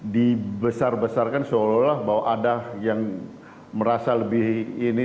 dibesar besarkan seolah olah bahwa ada yang merasa lebih ini